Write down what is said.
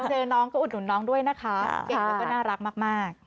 เจอน้องก็อุดหนุนน้องด้วยนะคะเก่งแล้วก็น่ารักมาก